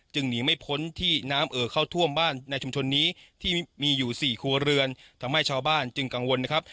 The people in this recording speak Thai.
หนีไม่พ้นที่น้ำเอ่อเข้าท่วมบ้านในชุมชนนี้ที่มีอยู่สี่ครัวเรือนทำให้ชาวบ้านจึงกังวลนะครับ